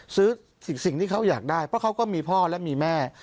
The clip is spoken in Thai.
สิ่งที่เขาอยากได้เพราะเขาก็มีพ่อและมีแม่